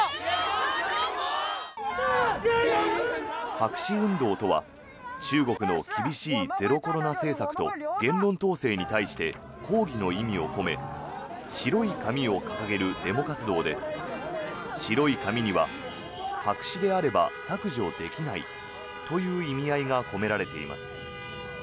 白紙運動とは中国の厳しいゼロコロナ政策と言論統制に対して抗議の意味を込め白い紙を掲げるデモ活動で白い紙には白紙であれば削除できないという意味合いが込められています。